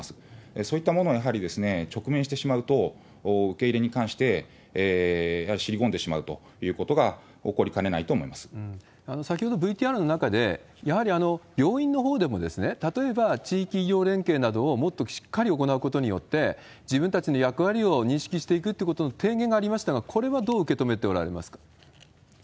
そういったものを、やはり直面してしまうと、受け入れに関してやはり尻込んでしまうということが起こりかねな先ほどＶＴＲの中で、やはり病院のほうでも、例えば地域医療連携などをもっとしっかり行うことによって、自分たちの役割を認識していくってことの提言がありましたが、これはどう受け止めておられますか？